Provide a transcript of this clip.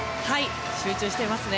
集中していますね。